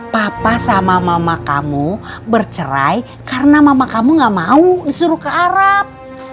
papa sama mama kamu bercerai karena mama kamu gak mau disuruh ke arab